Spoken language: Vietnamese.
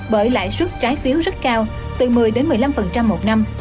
bởi lãi suất trái phiếu rất cao từ một mươi một mươi năm một năm